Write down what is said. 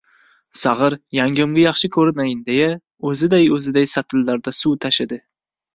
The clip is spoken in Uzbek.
Sag‘ir, yangamga yaxshi ko‘rinayin deya, o‘ziday-o‘ziday satillarda suv tashidi.